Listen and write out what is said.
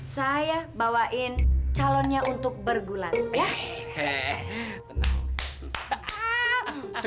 saya bawain calonnya untuk bergulat